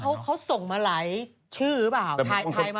เหรอว่าเขาส่งมาไหลชื่อหรือเปล่า